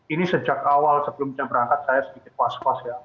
ini sejak awal sebelum saya berangkat saya sedikit was was ya